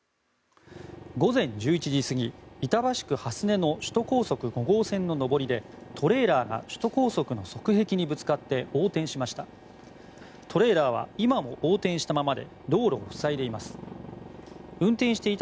午前１１時過ぎ板橋区蓮根の首都高速５号線の上りでトレーラーが首都高速の側壁にぶつかって横転しました。